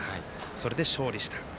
それで勝利した。